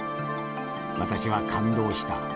私は感動した。